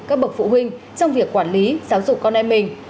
các bậc phụ huynh trong việc quản lý giáo dục con em mình